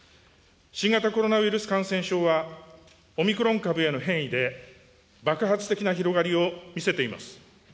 新型コロナウイルス感染症は、オミクロン株への変異で、爆発的な広がりを見せています。